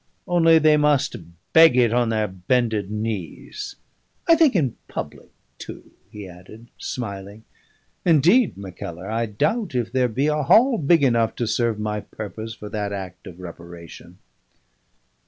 "Only they must beg it on their bended knees. I think in public, too," he added, smiling. "Indeed, Mackellar, I doubt if there be a hall big enough to serve my purpose for that act of reparation."